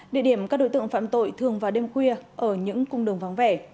địa điểm các đối tượng phạm tội thường vào đêm khuya ở những cung đường vắng vẻ